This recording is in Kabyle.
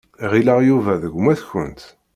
Ɣileɣ Yuba d gma-tkent.